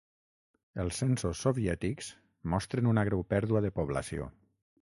Els censos soviètics mostren una greu pèrdua de població.